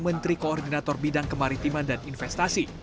menteri koordinator bidang kemaritiman dan investasi